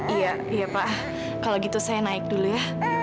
iya iya pak kalau gitu saya naik dulu ya